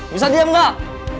bisa diam nggak